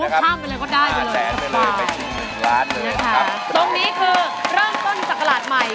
อุ๊บห้ามไปเลยก็ได้เป็นเรื่องสภาพนี่ค่ะตรงนี้คือเริ่มต้นสักกราศใหม่